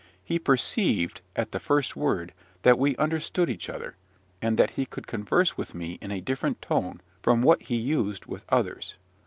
He perceived, at the first word, that we understood each other, and that he could converse with me in a different tone from what he used with others.